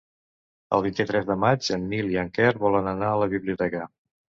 El vint-i-tres de maig en Nil i en Quer volen anar a la biblioteca.